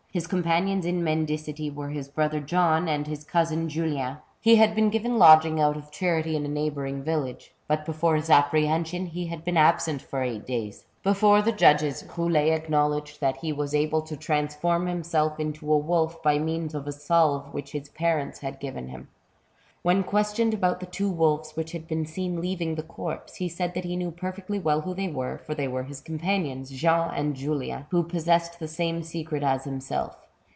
His companions in mendicity were his brother John and his cousin Julien. He had been given lodging out of charity in a neighbouring village, but before his appre hension he had been absent for eight days. Before the judges, Roulet acknowledged that he was able to transfoim himself into a wolf by means of a salve which his parents had given him. When questioned about the two wolves which had been seen leaving the corpse, he said that he knew perfectly well who they were, for they were his companions, Jean and Julian, who possessed the same secret as himself.